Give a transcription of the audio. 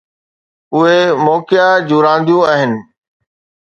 اهي موقعا جون رانديون آهن.